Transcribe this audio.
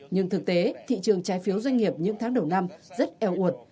nhưng thực tế thị trường trái phiếu doanh nghiệp những tháng đầu năm rất eo uột